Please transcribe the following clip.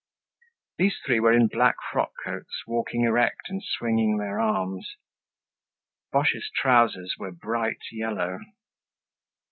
These three were in black frock coats, walking erect and swinging their arms. Boche's trousers were bright yellow.